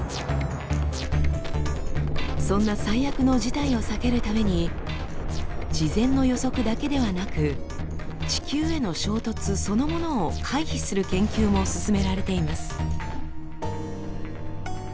そんな最悪の事態を避けるために事前の予測だけではなく地球への衝突そのものを回避する研究も進められています。